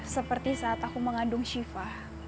seperti saat aku mengandung shiva